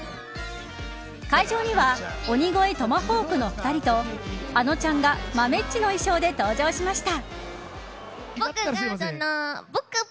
会場には鬼越トマホークの２人とあのちゃんがまめっちの衣装で登場しました。